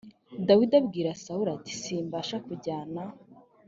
dawidi abwira sawuli ati simbasha kujyana